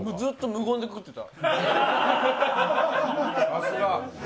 さすが！